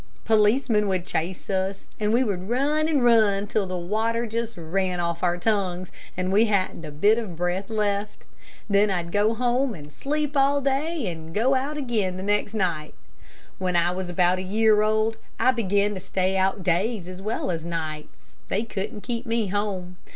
Policeman would chase us, and we would run and run till the water just ran off our tongues, and we hadn't a bit of breath left. Then I'd go home and sleep all day, and go out again the next night. When I was about a year old, I began to stay out days as well as nights. They couldn't keep me home.